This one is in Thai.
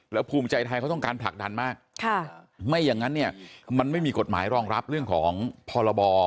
แล้วภูมิใจไทยเขาต้องการผลักดันมากไม่อย่างนั้นเนี่ยมันไม่มีกฎหมายรองรับเรื่องของพรบ